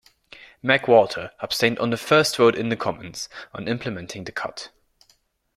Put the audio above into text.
McWalter abstained on the first vote in the Commons on implementing the cut.